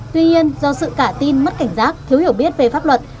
tuy nhiên do sự cả tin mất cảnh giác thiếu hiểu biết về pháp luật